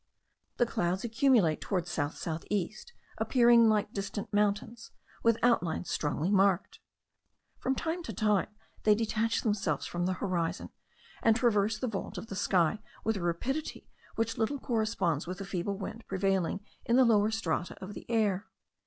The clouds accumulate towards south south east, appearing like distant mountains, with outlines strongly marked. From time to time they detach themselves from the horizon, and traverse the vault of the sky with a rapidity which little corresponds with the feeble wind prevailing in the lower strata of the air.